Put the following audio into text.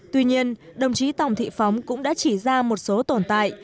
tuy nhiên đồng chí tòng thị phóng cũng đã chỉ ra một số tồn tại